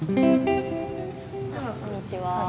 こんにちは。